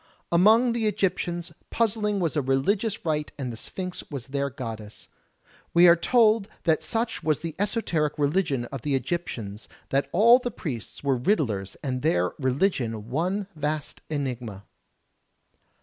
Among the Egyptians, puzzling was a religious rite and the Sphinx was their goddess. We are told that such was the esoteric religion of the Egyptians that all the priests were riddlers and their religion one vast enigma.